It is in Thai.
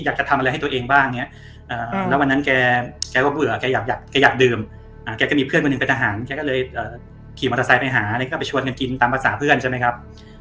แกก็เลยขี่มอเตอร์ไซค์ไปหาแล้วก็ไปชวนการกินตามภาษาเพื่อนใช่มั้ยครับ